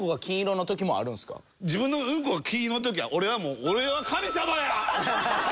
自分のうんこが金色の時は俺はもう俺は神様や！